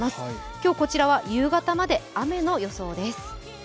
今日、こちらは夕方まで雨の予想です。